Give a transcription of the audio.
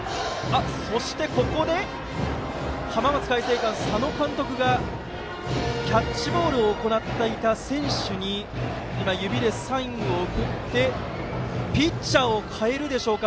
そして、ここで浜松開誠館の佐野監督がキャッチボールを行っていた選手に指でサインを送ってピッチャーを代えるでしょうか。